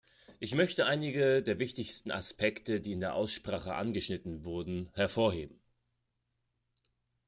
Ich möchte einige der wichtigsten Aspekte, die in der Aussprache angeschnitten wurden, hervorheben.